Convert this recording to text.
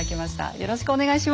よろしくお願いします。